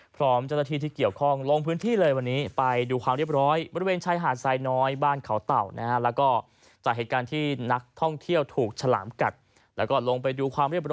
พร้อมจรภีที่เกี่ยวข้องมือลงพื้นที่เลยวันนี้